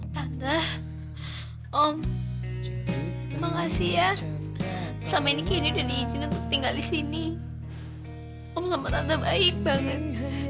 tante om terima kasih ya selama ini kenny udah diizinin untuk tinggal di sini om sama tante baik banget